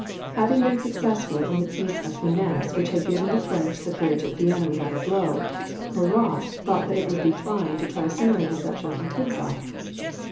Having been successful in the piece of finesse which had given the French the bridge at Vienna without a blow, Murat thought that it would be fine to try a similar deception on Kutuzof.